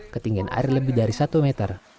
ketinggian air lebih dari satu meter